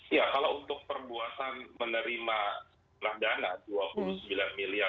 iya kalau untuk perbuatan menerima dana rp dua puluh sembilan miliar